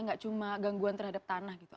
nggak cuma gangguan terhadap tanah gitu